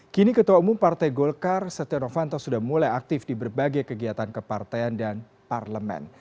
kini ketua umum partai golkar setia novanto sudah mulai aktif di berbagai kegiatan kepartean dan parlemen